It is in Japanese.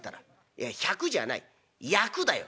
いや１００じゃない厄だよ」。